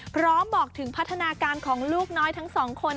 พร้อมบอกถึงพัฒนาการของลูกน้อยทั้งสองคน